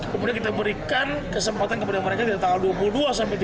kemudian kita berikan kesempatan kepada mereka dari tanggal dua puluh dua sampai tiga puluh